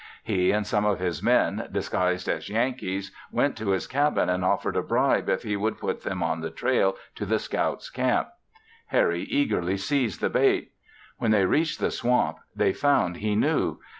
He and some of his men, disguised as Yankees, went to his cabin and offered a bribe if he could put them on the trail to the scouts' camp. Harry eagerly seized the bait. When they reached the swamp they found he knew.